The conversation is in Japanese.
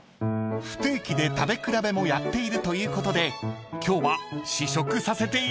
［不定期で食べ比べもやっているということで今日は試食させていただきます］